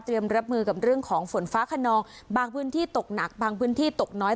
รับมือกับเรื่องของฝนฟ้าขนองบางพื้นที่ตกหนักบางพื้นที่ตกน้อย